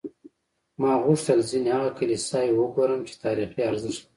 ما غوښتل ځینې هغه کلیساوې وګورم چې تاریخي ارزښت لري.